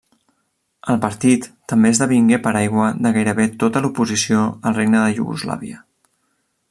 El partit també esdevingué paraigua de gairebé tota l'oposició al Regne de Iugoslàvia.